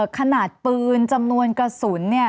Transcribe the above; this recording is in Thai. ขนาดปืนจำนวนกระสุนเนี่ย